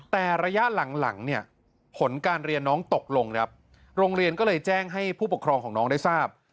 แต่ระยะหลังเนี่ยผลการเรียนน้องตกลงครับโรงเรียนก็เลยแจ้งให้ผู้ปกครองของน้องได้ทราบ